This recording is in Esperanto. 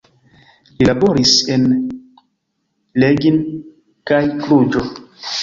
Li laboris en Reghin kaj Kluĵo.